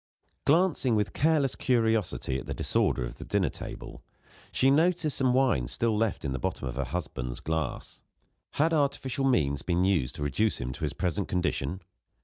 Glancing with careless curiosity at the disorder of the dinner table, she noticed some wine still left in the bottom of her husband's glass. Had artificial means been used to reduce him to his present condition?